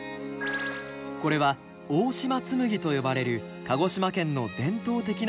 これは大島紬と呼ばれる鹿児島県の伝統的な絹織物。